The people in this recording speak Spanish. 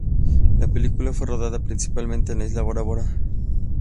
La película fue rodada principalmente en la isla Bora Bora.